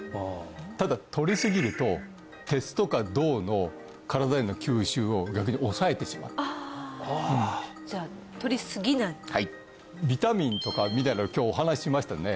ただ取り過ぎると鉄とか銅の身体への吸収を逆に抑えてしまうじゃあビタミンとかミネラル今日お話ししましたね